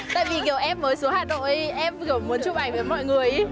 tại vì nhiều em mới xuống hà nội em kiểu muốn chụp ảnh với mọi người